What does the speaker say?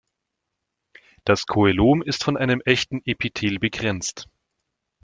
Das Coelom ist von einem echten Epithel begrenzt.